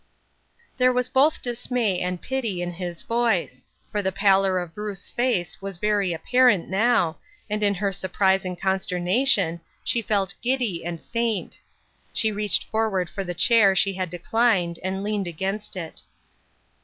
There was both dismay and pity in his voice, for the pallor of Ruth's face was very apparent now, and in her surprise and consternation, she felt giddy and faint ; she reached forward for the chair she had declined, and leaned against it.